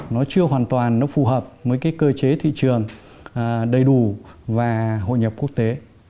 nó chưa hoàn toàn phù hợp với cơ chế thị trường đầy đủ và hội nhập quốc tế